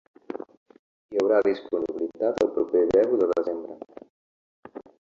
Hi hauria disponibilitat el proper deu de desembre.